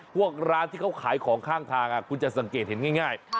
พวกร้านที่เขาขายของข้างทางคุณจะสังเกตเห็นง่าย